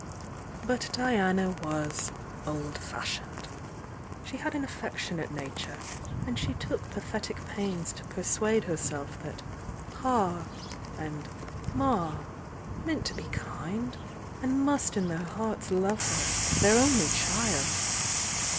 But Diana was "old fashioned"; she h^ an affectionate nature, and she took pathetic pains to persuade herself that "Pa" and "Ma" meant to be kind, and must in their hearts love her, their only child.